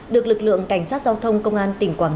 được lực lượng cảnh sát giao thông công an tỉnh quảng nam